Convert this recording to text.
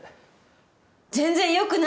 全然よくないよ！